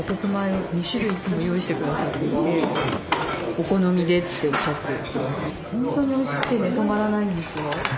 お好みでっておっしゃって頂いて。